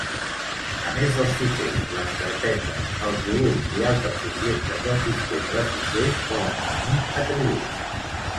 A més dels fitxers, les carpetes, els volums i altres objectes del sistema de fitxers poden tenir atributs.